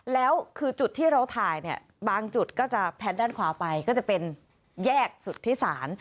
แล้วคือจุดที่เราถ่ายเนี่ยบางจุดก็จะแพทด้านขวาไปก็จะเป็นแยกสุทธิศาล